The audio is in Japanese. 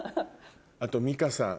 あと美香さん。